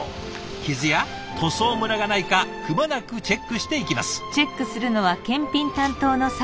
傷や塗装ムラがないかくまなくチェックしていきます。